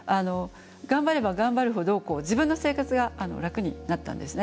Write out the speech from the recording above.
頑張れば頑張るほど自分の生活が楽になったんですね。